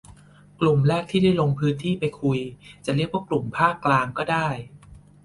กลุ่มแรกที่ได้ลงพื้นที่ไปคุย จะเรียกว่ากลุ่มภาคกลางก็ได้